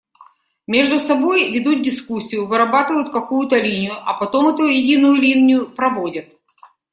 Между собой ведут дискуссию, вырабатывают какую-то линию, а потом эту единую линию проводят.